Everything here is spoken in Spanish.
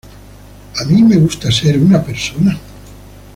A mí me gusta ser una persona.